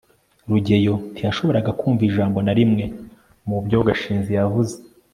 rugeyo ntiyashoboraga kumva ijambo na rimwe mubyo gashinzi yavuze